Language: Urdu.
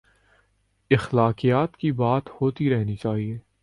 اخلاقیات کی بات ہوتی رہنی چاہیے۔